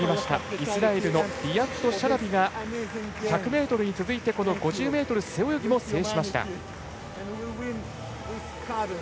イスラエルのシャラビが１００ｍに続いて５０ｍ背泳ぎも制しました。